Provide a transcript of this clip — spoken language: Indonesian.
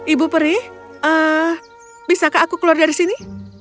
ibu peri bisakah aku keluar dari sini